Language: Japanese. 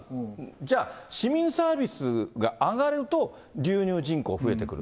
じゃあ、市民サービスが上がると、流入人口が増えてくる。